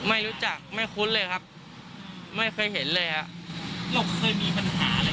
ไม่รู้จักไม่คุ้นเลยครับไม่เคยเห็นเลยฮะหลบเคยมีปัญหาอะไรขึ้นแบบนั้น